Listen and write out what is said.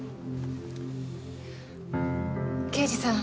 刑事さん。